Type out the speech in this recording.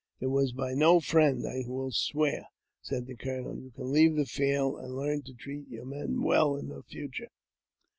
" It was by no friend, I will swear," said the colonel ; "you can leave the field, and learn to treat your men well in future."